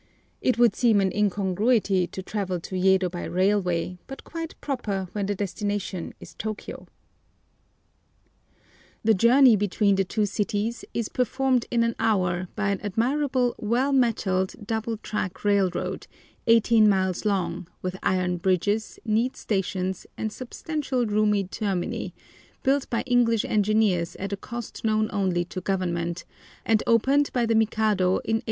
It would seem an incongruity to travel to Yedo by railway, but quite proper when the destination is Tôkiyô. The journey between the two cities is performed in an hour by an admirable, well metalled, double track railroad, 18 miles long, with iron bridges, neat stations, and substantial roomy termini, built by English engineers at a cost known only to Government, and opened by the Mikado in 1872.